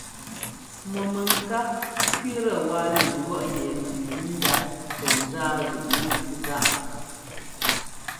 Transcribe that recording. Mɔ mɛŋká kẅíitɛ wá nɛ ŋgʉ̈ɔ́ꞌ yɛ mɛntsɛ̌ndá tɛ nzáá zúꞌnɛ́ zaꞌ.